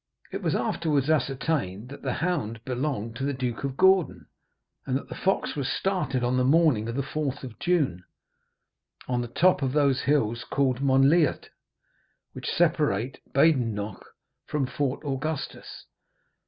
It was afterwards ascertained that the hound belonged to the Duke of Gordon, and that the fox was started on the morning of the 4th of June, on the top of those hills called Monaliadh, which separate Badenoch from Fort Augustus.